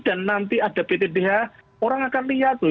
dan nanti ada ptdh orang akan lihat loh